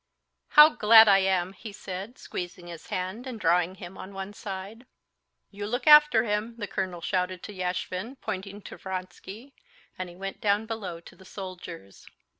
"How glad I am!" he said, squeezing his hand and drawing him on one side. "You look after him," the colonel shouted to Yashvin, pointing to Vronsky; and he went down below to the soldiers.